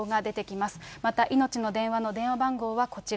また、いのちの電話の電話番号はこちら。